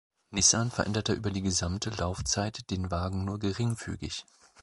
Nissan veränderte über die gesamte Laufzeit den Wagen nur geringfügig.